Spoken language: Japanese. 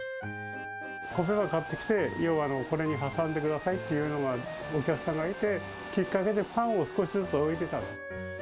コッペパンを買ってきて、ようはこれに挟んでくださいっていうのが、お客さんがいて、きっかけでパンを少しずつ置いてたの。